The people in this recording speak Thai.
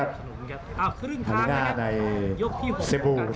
อัศวินาศาสตร์